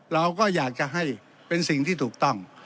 เราก็อยากจะให้เป็นสิ่งที่ถูกต้อง